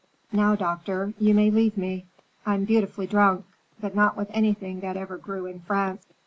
Now, doctor, you may leave me. I'm beautifully drunk, but not with anything that ever grew in France."